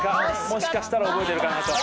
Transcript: もしかしたら覚えてるかなと。